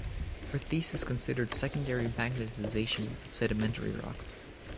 Her thesis considered secondary magnetization of Sedimentary rocks.